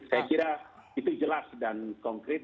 saya kira itu jelas dan konkret